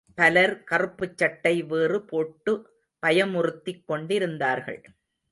பலர் கறுப்புச் சட்டை வேறு போட்டு பயமுறுத்திக் கொண்டிருந்தார்கள்.